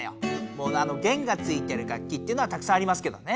もうねあのげんがついてる楽きっていうのはたくさんありますけどね。